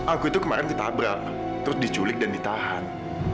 aku itu kemarin ditabrak terus diculik dan ditahan